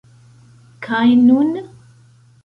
Kaj nun?